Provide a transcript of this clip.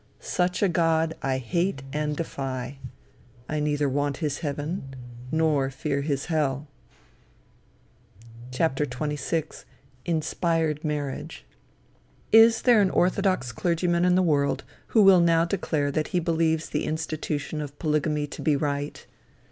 Such a God I hate and defy. I neither want his heaven, nor fear his hell. XXVI. "INSPIRED" MARRIAGE Is there an orthodox clergyman in the world, who will now declare that he believes the institution of polygamy to be right?